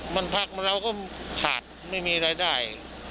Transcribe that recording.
มันปักตอแบบราวค่าแรงไม่มีรายได้